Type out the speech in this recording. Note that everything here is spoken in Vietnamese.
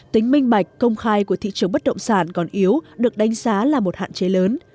tính minh bạch công khai của thị trường bất động sản còn yếu được đánh giá là một hạn chế lớn